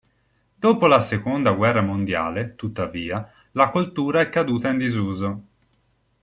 Dopo la seconda guerra mondiale, tuttavia, la coltura è caduta in disuso.